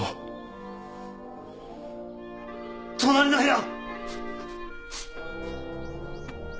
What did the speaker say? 隣の部屋！？